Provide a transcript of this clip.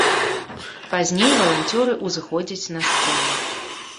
Пазней валанцёры ўзыходзяць на сцэну.